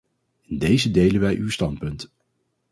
In dezen delen wij uw standpunt.